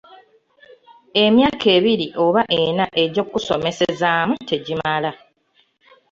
Emyaka ebiri oba enna egy’okusomeseezaamu tegimala.